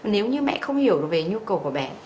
nếu như mẹ không hiểu về nhu cầu của bé